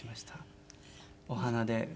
お花で。